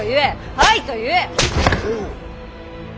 はいと言え。